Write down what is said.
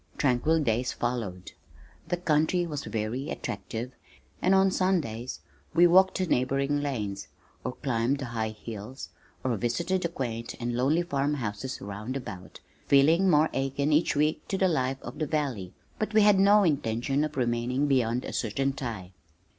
Tranquil days followed. The country was very attractive, and on Sundays we walked the neighboring lanes, or climbed the high hills, or visited the quaint and lonely farm houses round about, feeling more akin each week to the life of the valley, but we had no intention of remaining beyond a certain time.